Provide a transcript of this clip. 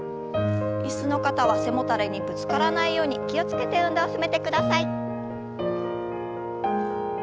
椅子の方は背もたれにぶつからないように気を付けて運動を進めてください。